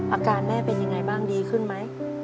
อาการแม่เป็นยังไงบ้างดีขึ้นไหม